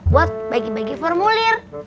buat bagi bagi formulir